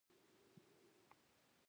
د خان رعیت نظام ناوړه بڼه له منځه تللې وه.